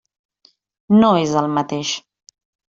No és el mateix.